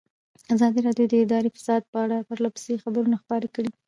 ازادي راډیو د اداري فساد په اړه پرله پسې خبرونه خپاره کړي.